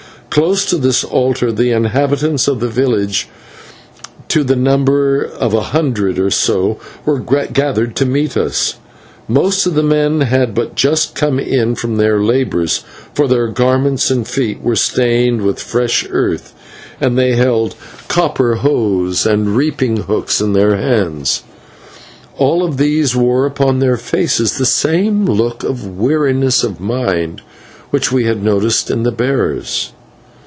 Close to this altar the inhabitants of the village, to the number of a hundred or so, were gathered to meet us. Most of the men had but just come in from their labours, for their garments and feet were stained with fresh earth, and they held copper hoes and reaping hooks in their hands. All these men wore upon their faces the same look of weariness of mind which we had noticed in the bearers.